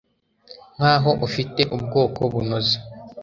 Nkaho afite ubwoko bunoze